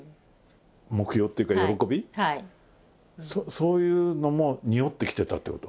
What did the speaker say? そういうのもにおってきてたということ？